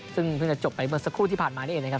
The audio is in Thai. ซึ่งเพิ่งจะจบไปเมื่อสักครู่ที่ผ่านมานี่เองนะครับ